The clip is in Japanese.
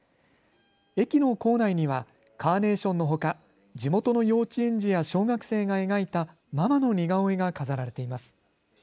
駅の構内にはカーネーションのほか地元の幼稚園児や小学生が描いたママの似顔絵が飾られています。